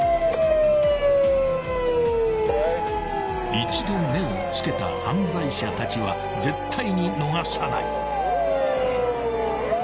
［一度目を付けた犯罪者たちは絶対に逃さない］